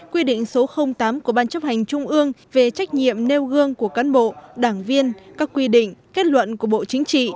quy định số tám của ban chấp hành trung ương về trách nhiệm nêu gương của cán bộ đảng viên các quy định kết luận của bộ chính trị